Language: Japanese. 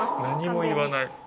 何も言わない。